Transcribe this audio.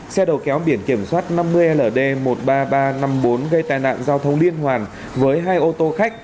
xe đầu kéo biển kiểm soát năm mươi ld một mươi ba nghìn ba trăm năm mươi bốn gây tai nạn giao thông liên hoàn với hai ô tô khách